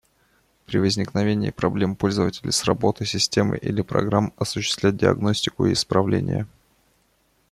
При возникновении проблем пользователя с работой системы или программ, осуществлять диагностику и исправления